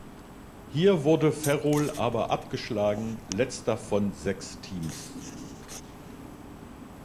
Hier wurde Ferrol aber abgeschlagen letzter von sechs Teams.